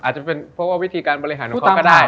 อาจจะเป็นเพราะว่าวิธีการบริหารของเขาก็ได้